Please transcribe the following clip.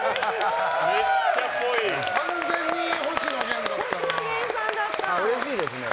完全に星野源だったな。